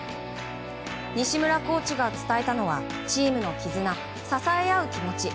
西村コーチが伝えたのはチームの絆、支え合う気持ち。